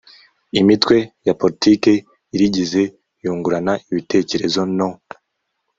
imitwe ya politiki irigize yungurana ibitekerezo no